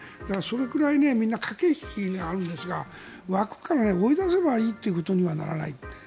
だから、そのくらい駆け引きがあるんですが枠から追い出せばいいということにはならない。